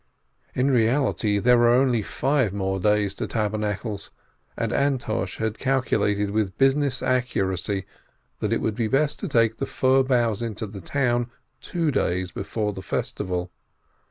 In reality there were only five more days to Taber nacles, and Antosh had calculated with business accuracy that it would be best to take the fir boughs into the town two days before the festival.